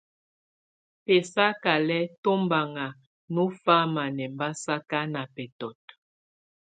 Bɛsakalɛ́ tombanŋa nɔ fáma nʼɛmbasaka na bɛtɔ́t.